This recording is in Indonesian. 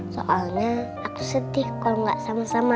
soalnya aku sedih kalau gak sama sama